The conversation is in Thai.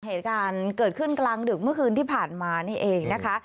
เหตุการณ์เกิดขึ้นกลางดึกเมื่อคืนที่ผ่านมานี่เองนะคะ